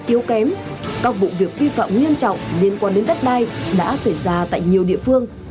yếu kém các vụ việc vi phạm nghiêm trọng liên quan đến đất đai đã xảy ra tại nhiều địa phương